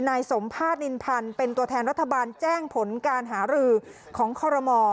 นายสมภาษณินพันธ์เป็นตัวแทนรัฐบาลแจ้งผลการหารือของคอรมอ